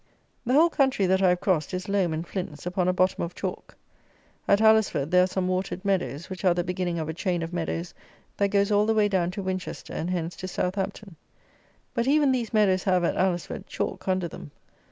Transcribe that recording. The whole country that I have crossed is loam and flints, upon a bottom of chalk. At Alresford there are some watered meadows, which are the beginning of a chain of meadows that goes all the way down to Winchester, and hence to Southampton; but even these meadows have, at Alresford, chalk under them.